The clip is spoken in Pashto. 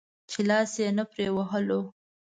چې لاس يې نه پرې وهلو.